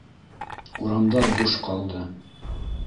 Урамдар буш ҡалды.